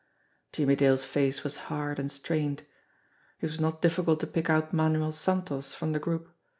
Jimmie Dale's face was hard and strained. It was not difficult to pick out Manuel Santos from the group